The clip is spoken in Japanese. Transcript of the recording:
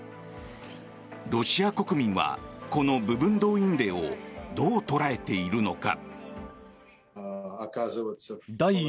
ロシア国民はこの部分動員令をどう捉えているのか。